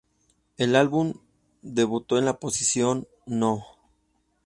El álbum debutó en la posición no.